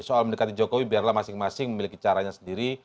soal mendekati jokowi biarlah masing masing memiliki caranya sendiri